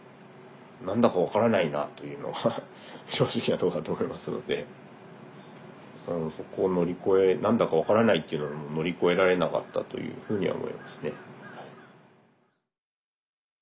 何だか分からないなというのが正直なとこだと思いますのでそこを乗り越え何だか分からないっていうのも乗り越えられなかったというふうには思いますね。